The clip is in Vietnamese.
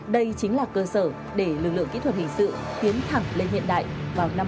đây chính là cơ sở để lực lượng kỹ thuật hình sự tiến thẳng lên hiện đại vào năm hai nghìn hai mươi